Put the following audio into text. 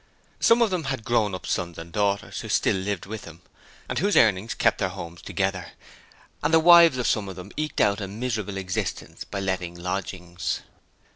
Some of them had grown up sons and daughters who still lived with them and whose earnings kept their homes together, and the wives of some of them eked out a miserable existence by letting lodgings.